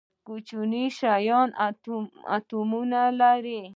کوچني شیان اتومونه لري